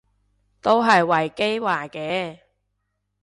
都係維基話嘅